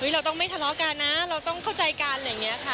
เราต้องไม่ทะเลาะกันนะเราต้องเข้าใจกันอะไรอย่างนี้ค่ะ